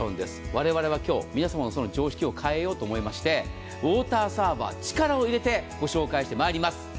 われわれは今日、皆さまの常識を変えようと思いましてウォーターサーバーは力を入れてご紹介してまいります。